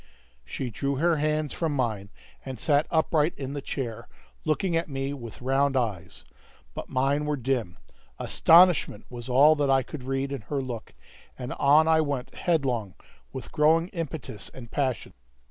She drew her hands from mine, and sat upright in the chair, looking at me with round eyes; but mine were dim; astonishment was all that I could read in her look, and on I went headlong, with growing impetus and passion.